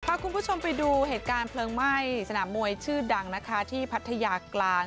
พาคุณผู้ชมไปดูเหตุการณ์เพลิงไหม้สนามมวยชื่อดังนะคะที่พัทยากลาง